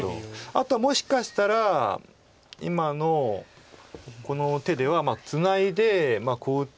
あとはもしかしたら今のこの手ではツナいでこう打って。